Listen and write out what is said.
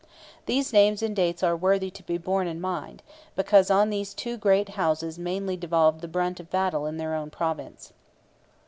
These names and dates are worthy to be borne in mind, because on these two great houses mainly devolved the brunt of battle in their own province.